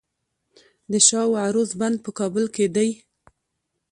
د شاه و عروس بند په کابل کې دی